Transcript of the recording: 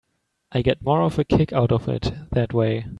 I get more of a kick out of it that way.